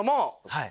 はい。